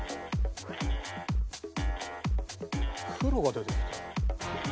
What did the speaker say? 黒が出てきた。